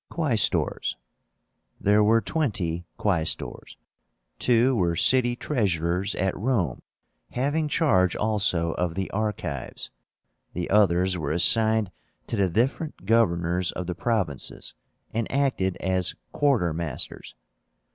QUAESTORS. There were twenty Quaestors. Two were city treasurers at Rome, having charge also of the archives. The others were assigned to the different governors of the provinces, and acted as quartermasters.